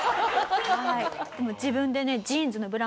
自分でね